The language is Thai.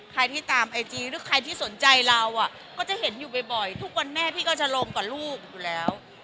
ใครที่ตามไอจีหรือใครที่สนใจเราก็จะเห็นอยู่บ่อยทุกวันแม่พี่ก็จะลงกับลูกอยู่แล้ว